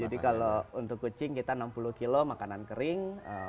jadi kalau untuk kucing kita enam puluh kilo makanan kering